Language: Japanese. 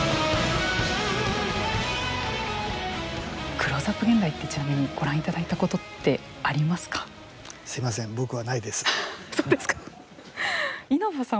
「クローズアップ現代」ってちなみにご覧いただいたことってすいません。